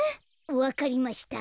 わかりました。